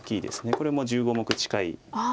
これも１５目近いヨセ。